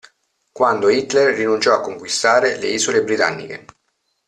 Quando Hitler rinunciò a conquistare le isole britanniche.